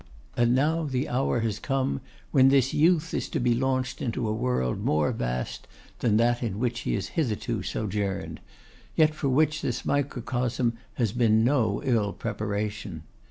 And now the hour has come when this youth is to be launched into a world more vast than that in which he has hitherto sojourned, yet for which this microcosm has been no ill preparation.